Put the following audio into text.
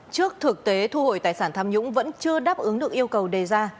trước thực tế thu hồi tài sản tham nhũng vẫn chưa đáp ứng được yêu cầu đề ra